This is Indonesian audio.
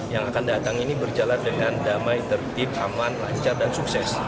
yang akan datang ini berjalan dengan damai tertib aman lancar dan sukses